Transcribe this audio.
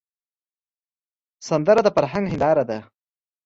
سندره د فرهنګ هنداره ده